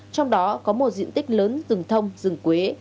trong đó có một diện tích lớn rừng thông rừng quế